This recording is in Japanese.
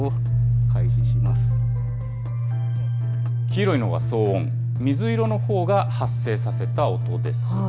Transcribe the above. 黄色いのが騒音、水色のほうが発生させた音です。